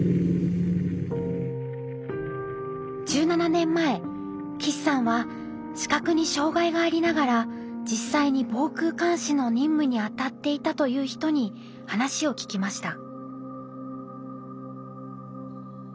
１７年前岸さんは視覚に障害がありながら実際に防空監視の任務にあたっていたという人に話を聞きました。